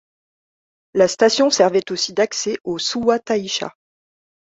La station servait aussi d'accès au Suwa-taisha.